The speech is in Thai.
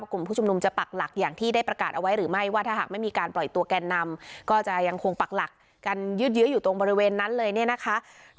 กลุ่มผู้ชุมนุมจะปักหลักอย่างที่ได้ประกาศเอาไว้หรือไม่ว่าถ้าหากไม่มีการปล่อยตัวแกนนำก็จะยังคงปักหลักกันยืดเยอะอยู่ตรงบริเวณนั้นเลยเนี่ยนะคะ